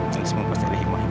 jangan sembuh pas ada himahnya